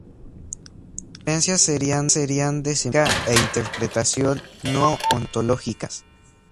Las diferencias serían de semántica e interpretación, no ontológicas.